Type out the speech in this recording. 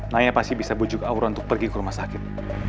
naya pasti bisa bujuk aura untuk pergi ke rumah sakit